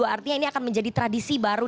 artinya ini akan menjadi tradisi baru